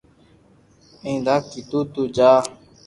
اينآ ڪيدو تو جا